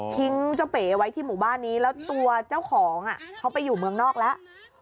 เจ้าเป๋ไว้ที่หมู่บ้านนี้แล้วตัวเจ้าของเขาไปอยู่เมืองนอกแล้ว